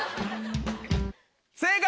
正解！